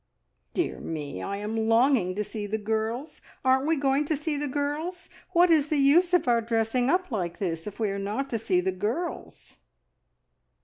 "Dear me, I am longing to see `the girls'! Aren't we going to see `the girls'? What is the use of our dressing up like this if we are not to see `the girls'?"